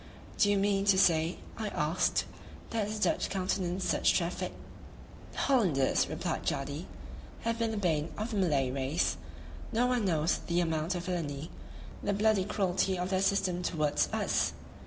"Do you mean to say," I asked, "that the Dutch countenance such traffic?" "The Hollanders," replied Jadee, "have been the bane of the Malay race; no one knows the amount of villainy, the bloody cruelty of their system towards us.